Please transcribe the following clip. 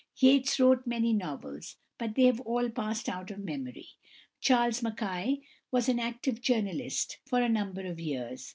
Yates wrote many novels, but they have all passed out of memory. =Charles Mackay (1814 1889)= was an active journalist for a number of years.